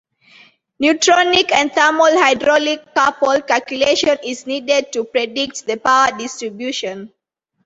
Neutronic and thermal hydraulic coupled calculation is needed to predict the power distribution.